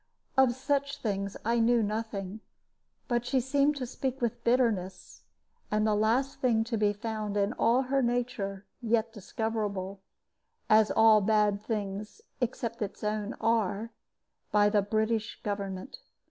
Of such things I knew nothing; but she seemed to speak with bitterness, the last thing to be found in all her nature, yet discoverable as all bad things (except its own) are by the British government.